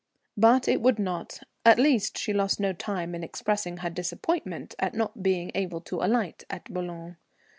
But it would not; at least, she lost no time in expressing her disappointment at not being able to alight at Boulogne.